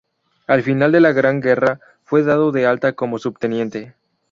Al final de la Gran Guerra, fue dado de alta como Subteniente.